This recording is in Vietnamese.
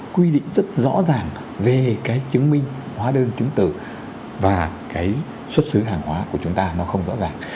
quy định rất rõ ràng về cái chứng minh hóa đơn chứng tử và cái xuất xứ hàng hóa của chúng ta nó không rõ ràng